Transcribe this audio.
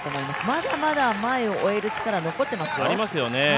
まだまだ前を追える力は残っていますよ。